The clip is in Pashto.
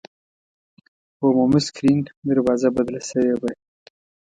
په عمومي سکرین دروازه بدله شوې وه.